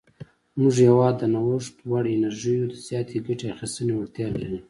زموږ هیواد د نوښت وړ انرژیو د زیاتې ګټې اخیستنې وړتیا لري.